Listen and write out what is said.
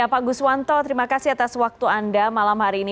pak guswanto terima kasih atas waktu anda malam hari ini